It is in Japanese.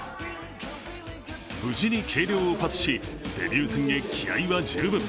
無事に計量をパスし、デビュー戦へ気合いは十分。